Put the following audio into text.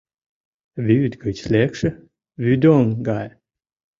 Вӱд гыч лекше вӱдоҥ гае.